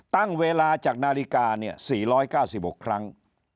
ตั้งเวลาจากนาฬิกา๔๙๖ครั้ง